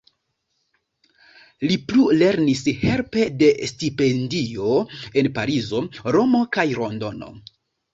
Li plulernis helpe de stipendio en Parizo, Romo kaj Londono.